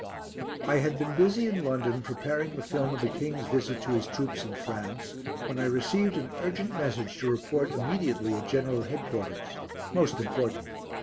I had been busy in London preparing the film of the King's visit to his troops in France, when I received an urgent message to report immediately at General Headquarters most important.